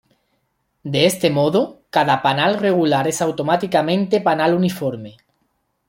De este modo, cada panal regular es automáticamente panal uniforme.